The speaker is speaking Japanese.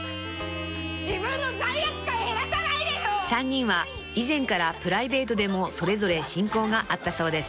［３人は以前からプライベートでもそれぞれ親交があったそうです］